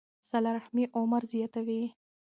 صله رحمي عمر زیاتوي.